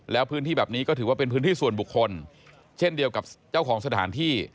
แล้วพื้นที่แบบนี้ก็ถือว่าเป็นพื้นที่ส่วนบุคคลเช่นเดียวกับเจ้าของสถานที่